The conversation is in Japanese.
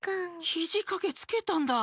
ひじかけつけたんだ。